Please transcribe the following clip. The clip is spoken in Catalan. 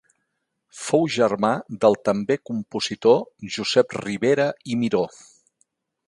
Fou germà del també compositor Josep Ribera i Miró.